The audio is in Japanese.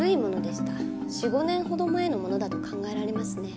４５年ほど前のものだと考えられますね。